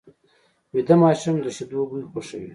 ویده ماشوم د شیدو بوی خوښوي